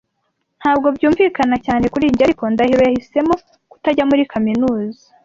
Ntabwo byumvikana cyane kuri njye, ariko Ndahiro yahisemo kutajya muri kaminuza.